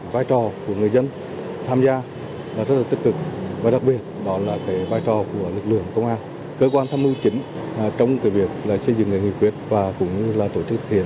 vài trò của người dân tham gia là rất là tích cực và đặc biệt đó là cái vai trò của lực lượng công an cơ quan tham mưu chính trong cái việc là xây dựng người việt và cũng là tổ chức